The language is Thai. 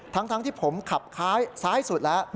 ทั้งที่ผมขับท้ายซ้ายสุดแล้ว